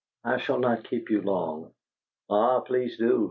"I shall not keep you long." "Ah, please do!"